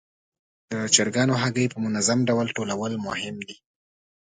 د چرګانو هګۍ په منظم ډول ټولول مهم دي.